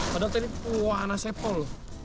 padahal tadi wah nasepol